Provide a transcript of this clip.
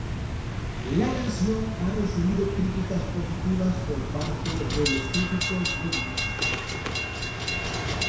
La canción ha recibido críticas positivas por parte de los críticos de música.